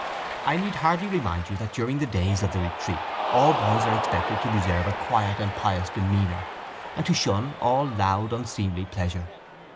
I need hardly remind you that during the days of the retreat all boys are expected to preserve a quiet and pious demeanour and to shun all loud unseemly pleasure.